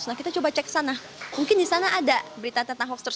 nah kita coba cek sana mungkin di sana ada berita tentang hoax terus